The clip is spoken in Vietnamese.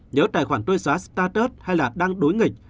nếu tài khoản tôi xóa status hay là đang đối nghịch